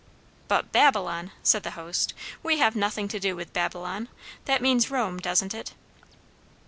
"But Babylon!" said the host. "We have nothing to do with Babylon. That means Rome, doesn't it?"